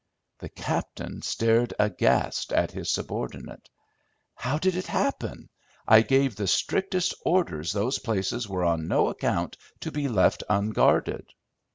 The captain stared aghast at his subordinate. "How did it happen? I gave the strictest orders those places were on no account to be left unguarded."